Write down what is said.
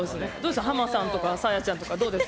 ハマさんとかサーヤちゃんとかどうです？